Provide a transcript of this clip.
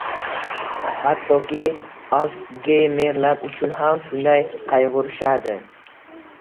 hattoki Alsgeymerlar uchun ham shunday qayg‘urishadi.